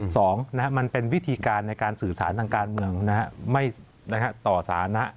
สองมันเป็นวิธีการในการสื่อสารทางการเมืองไม่ต่อสานะ